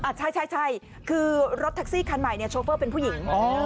ใช่คือรถแท็กซี่คันใหม่เนี่ยโชเฟอร์เป็นผู้หญิง